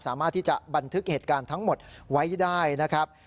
สามารถที่จะบันทึกเหตุการณ์ทั้งหมดไว้ได้นะครับ